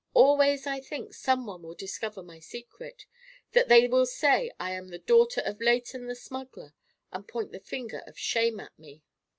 Always I think some one will discover my secret, that they will say I am the daughter of Leighton the smuggler and point the finger of shame at me.